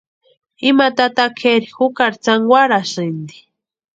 Ima tata kʼeri jukari tsankwarasïnti.